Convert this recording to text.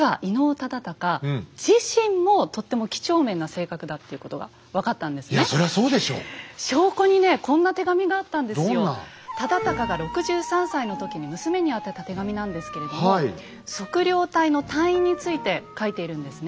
忠敬が６３歳の時に娘に宛てた手紙なんですけれども測量隊の隊員について書いているんですね。